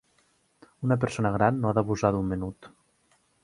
Una persona gran no ha d'abusar d'un menut.